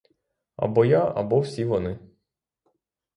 Або я, або всі вони.